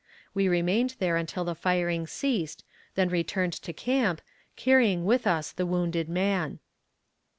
We remained there until the firing ceased, then returned to camp, carrying with us the wounded man.